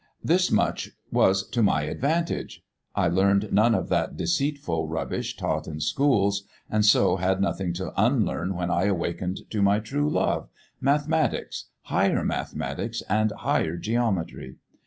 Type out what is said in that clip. This much was to my advantage; I learned none of that deceitful rubbish taught in schools, and so had nothing to unlearn when I awakened to my true love mathematics, higher mathematics and higher geometry.